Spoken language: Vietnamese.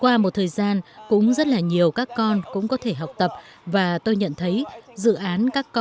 qua một thời gian cũng rất là nhiều các con cũng có thể học tập và tuổi trẻ cũng có thể học tập và tuổi trẻ cũng có thể học tập và tuổi trẻ cũng có thể học tập